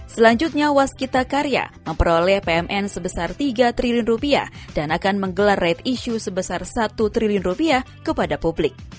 selanjutnya waskita karya memperoleh pmn sebesar rp tiga triliun dan akan menggelar right issue sebesar rp satu triliun kepada publik